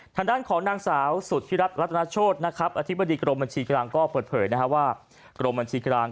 ทางด้านของนางสาวสุธิรัฐรัตนาโชธนะครับอธิบดีกรมบัญชีกลางก็เปิดเผยว่ากรมบัญชีกลาง